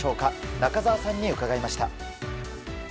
中澤さんに伺いました。